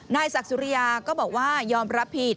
นายศักดิ์สุริยาก็บอกว่ายอมรับผิด